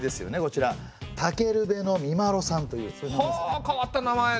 あ変わった名前で。